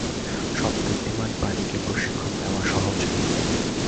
সব বুদ্ধিমান প্রাণীকে প্রশিক্ষণ দেওয়া সহজ নয়।